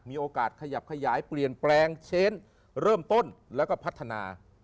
มีโอกาสขยับขยายเปลี่ยนแปลงเช้นเริ่มต้นแล้วก็พัฒนา